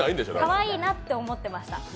かわいいなって思ってました。